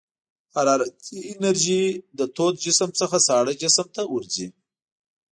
حرارتي انرژي له تود جسم څخه ساړه جسم ته ورځي.